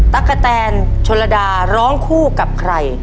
ตะกะแตนชนระดาร้องคู่กับใคร